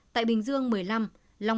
tại bình dương một mươi năm ca tử vong